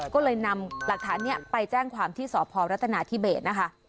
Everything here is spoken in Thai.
ก็เลยนำหลักฐานนี้ไปแจ้งความที่สพรัฐนาธิเบสนะคะ